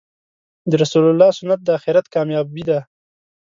د رسول الله سنت د آخرت کامیابې ده .